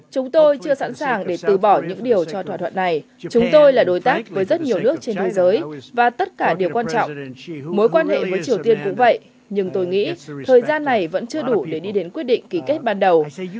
chúng tôi chưa sẵn sàng để từ bỏ những điều cho thỏa thuận này chúng tôi là đối tác với rất nhiều nước trên thế giới và tất cả điều quan trọng mối quan hệ với triều tiên cũng vậy nhưng tôi nghĩ thời gian này vẫn chưa đủ để đi đến quyết định ký kết ban đầu